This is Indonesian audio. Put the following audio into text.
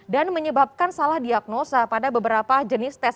dan menyebabkan salah diagnosa pada beberapa jenis tes